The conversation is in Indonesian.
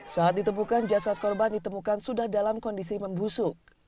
saat ditemukan jasad korban ditemukan sudah dalam kondisi membusuk